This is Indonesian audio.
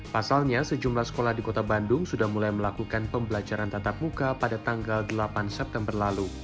pasalnya sejumlah sekolah di kota bandung sudah mulai melakukan pembelajaran tatap muka pada tanggal delapan september lalu